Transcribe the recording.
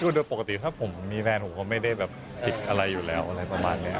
คือโดยปกติถ้าผมมีแฟนผมก็ไม่ได้แบบผิดอะไรอยู่แล้วอะไรประมาณนี้